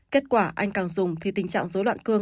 kết quả anh càng dùng thì tình trạng dối loạn cương